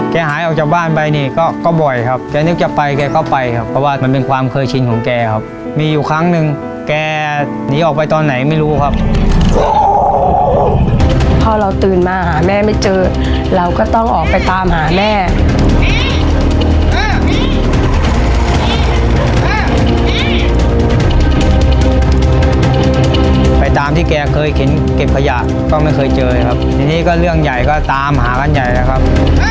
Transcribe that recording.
หายออกจากบ้านไปนี่ก็ก็บ่อยครับแกนึกจะไปแกก็ไปครับเพราะว่ามันเป็นความเคยชินของแกครับมีอยู่ครั้งหนึ่งแกหนีออกไปตอนไหนไม่รู้ครับพอเราตื่นมาหาแม่ไม่เจอเราก็ต้องออกไปตามหาแม่ไปตามที่แกเคยเข็นเก็บขยะก็ไม่เคยเจอนะครับทีนี้ก็เรื่องใหญ่ก็ตามหากันใหญ่แล้วครับ